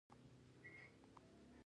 د نرمې ږمنځې کارول د ویښتانو روغتیا ساتي.